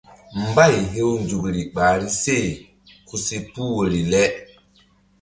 Mbay hew nzukri ɓahri se ku si puh woyri le.